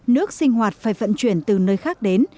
nước sinh hoạt phải vận chuyển từ nơi khác đến